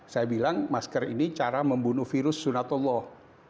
saya bilang masker ini cara membunuh virus sunatullah